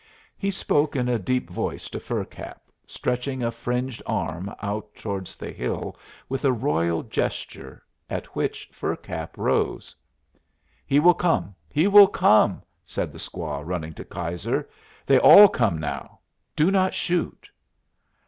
He spoke in a deep voice to Fur Cap, stretching a fringed arm out towards the hill with a royal gesture, at which Fur Cap rose. "He will come, he will come!" said the squaw, running to Keyser. "They all come now. Do not shoot."